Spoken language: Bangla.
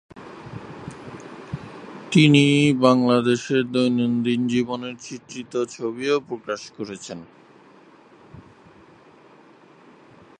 তিনি বাংলাদেশের দৈনন্দিন জীবনের চিত্রিত ছবিও প্রকাশ করেছেন।